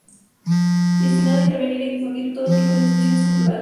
Destinado a intervenir y difundir todo tipo de expresiones culturales.